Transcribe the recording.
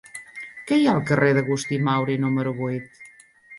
Què hi ha al carrer d'Agustí Mauri número vuit?